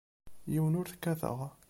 Yiwen ur t-kkateɣ.